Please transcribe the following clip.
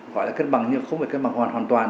gọi là cân bằng nhưng không phải cân bằng hoàn toàn